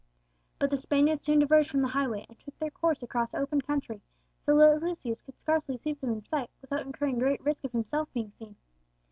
But the Spaniards soon diverged from the highway and took their course across open country, so that Lucius could scarcely keep them in sight without incurring great risk of himself being seen.